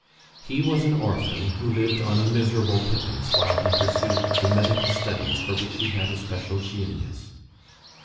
He was an orphan, who lived on a miserable pittance while he pursued the medical studies for which he had a special genius.